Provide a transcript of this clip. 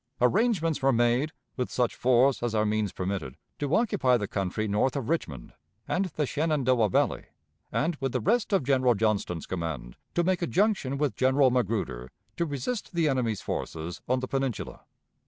Arrangements were made, with such force as our means permitted, to occupy the country north of Richmond, and the Shenandoah Valley, and, with the rest of General Johnston's command, to make a junction with General Magruder to resist the enemy's forces on the Peninsula.